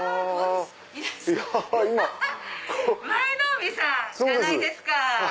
舞の海さんじゃないですか！